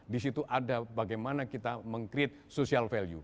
di situ ada bagaimana kita meng create social value